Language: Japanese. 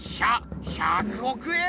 ひゃ１００億円